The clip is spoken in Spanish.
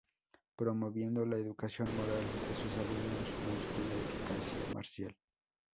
Promoviendo la educación moral de sus alumnos más que la eficacia marcial.